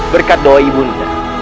berkat doa ibu nda